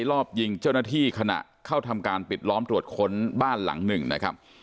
รอบยิงเจ้าหน้าที่ขณะเข้าทำการปิดล้อมตรวจค้นบ้านหลังหนึ่งนะครับ